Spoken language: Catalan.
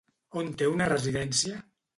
On té una residència?